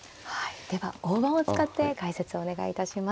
では大盤を使って解説をお願いいたします。